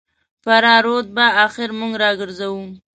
فراه رود به اخر موږ راګرځوو.